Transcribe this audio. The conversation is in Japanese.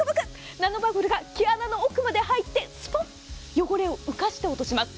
ナノバブルが毛穴の奥まで入ってスポッと汚れを浮かして落とします。